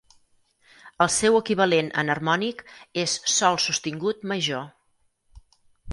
El seu equivalent enharmònic és sol sostingut major.